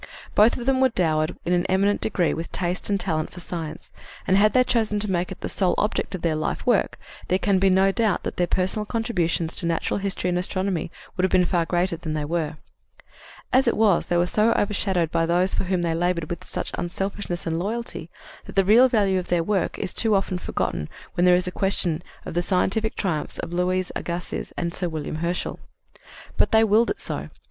Both of them were dowered in an eminent degree with taste and talent for science, and had they chosen to make it the sole object of their life work, there can be no doubt that their personal contributions to natural history and astronomy would have been far greater than they were. As it was, they were so overshadowed by those for whom they labored with such unselfishness and loyalty that the real value of their work is too often forgotten when there is question of the scientific triumphs of Louis Agassiz and Sir William Herschel. But they willed it so.